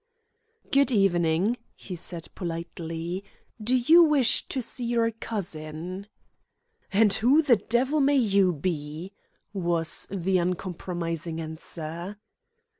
"Good evening," he said politely. "Do you wish to see your cousin?" "And who the devil may you be?" was the uncompromising answer.